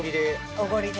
おごりで。